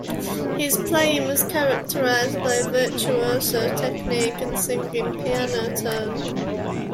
His playing was characterized by a virtuoso technique and singing piano tone.